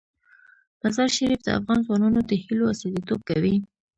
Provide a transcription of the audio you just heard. مزارشریف د افغان ځوانانو د هیلو استازیتوب کوي.